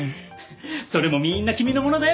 それもみーんな君のものだよ